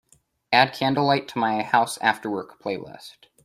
Add Candlelight to my House Afterwork playlist.